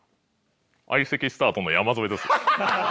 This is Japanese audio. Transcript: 相席スタートの山添です。